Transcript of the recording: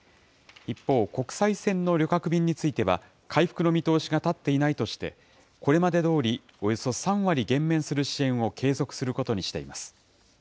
一方、国際線の旅客便については、回復の見通しが立っていないとして、これまでどおり、およそ３割減免する支援を継続することにしています。